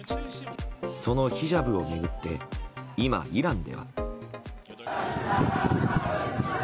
そのヒジャブを巡って今、イランでは。